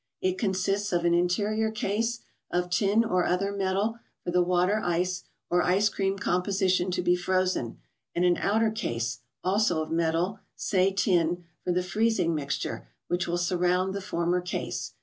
It con¬ sists of an interior case, of tin or other metal, for the water ice, or ice cream composition to be frozen; and an outer case, also of metal, say tin, for the freez¬ ing mixture, which will surround the former case.